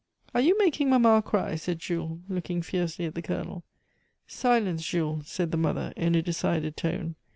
"Are you making mamma cry?" said Jules, looking fiercely at the Colonel. "Silence, Jules!" said the mother in a decided tone.